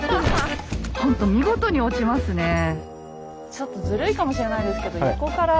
ちょっとずるいかもしれないですけど横から。